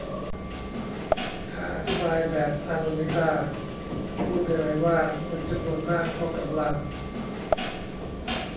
ถ้าอธิบายแบบอานนท์นิด้า พูดได้ไหมว่า คนจำนวนมากก็กำลัง